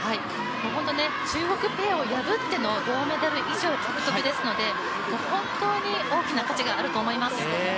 中国ペアを破っても銅メダル以上獲得ですので本当に大きな価値があると思います。